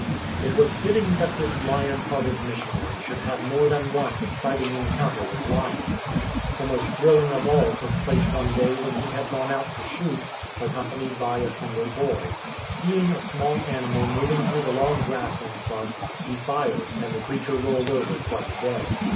It was fitting that this lion hearted missionary should have more than one exciting encounter with lions. The most thrilling of all took place one day when he had gone out to shoot, accompanied by a single boy. Seeing a small animal moving through the long grass in front, he fired, and the creature rolled over quite dead.